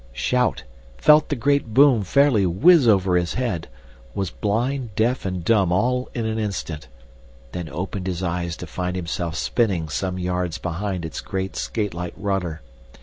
} shout, felt the great boom fairly whiz over his head, was blind, deaf, and dumb all in an instant, then opened his eyes to find himself spinning some yards behind its great skatelike rudder.